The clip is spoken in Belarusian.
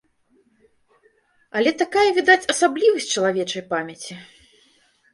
Але такая, відаць, асаблівасць чалавечай памяці.